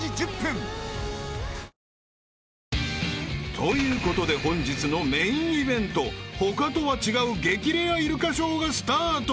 ［ということで本日のメインイベント他とは違う激レアイルカショーがスタート］